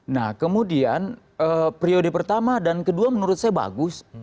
nah kemudian priode pertama dan kedua menurut saya bagus